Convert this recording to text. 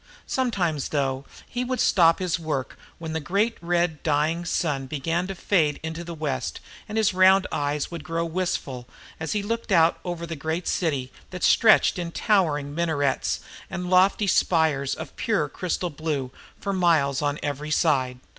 Sometimes, though, he would stop his work when the great red dying sun began to fade into the west and his round eyes would grow wistful as he looked out over the great city that stretched in towering minarets and lofty spires of purest crystal blue for miles on every side.